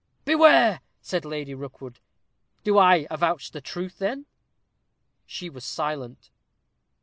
"Beware!" said Lady Rookwood. "Do I avouch the truth, then?" She was silent.